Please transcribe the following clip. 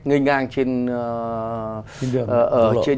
nganh ngang trên